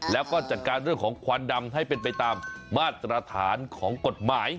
แล้วก็จัดการเรื่องของควันดำให้เป็นไปตามมาตรฐานของกฎหมาย